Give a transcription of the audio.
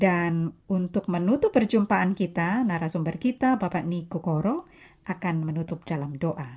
dan untuk menutup perjumpaan kita narasumber kita bapak niko koro akan menutup dalam doa